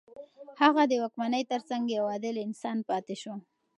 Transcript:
هغه د واکمنۍ تر څنګ يو عادل انسان پاتې شو.